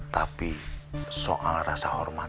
tapi soal rasa hormat